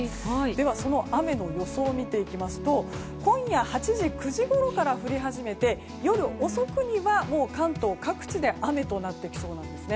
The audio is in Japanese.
その雨の予想を見ていきますと今夜８時、９時ごろから降り始めて夜遅くには関東各地で雨となってきそうなんです。